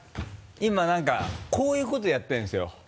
今何かこういうことやってるんですよ。